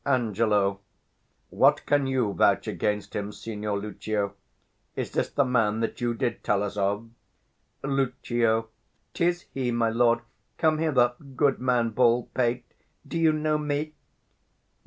Ang. What can you vouch against him, Signior Lucio? Is this the man that you did tell us of? Lucio. 'Tis he, my lord. Come hither, goodman bald pate: do you know me?